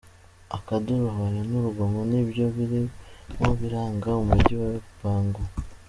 Akaduruvayo n’urugomo ni byo birimo biranga umujyi wa Bangui.